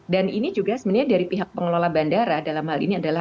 dan ini juga sebenarnya dari pihak pengelola bandara dalam hal ini adalah